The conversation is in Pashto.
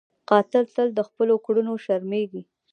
قاتل تل له خپلو کړنو شرمېږي